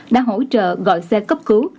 đã hỗ trợ gọi xe cấp cứu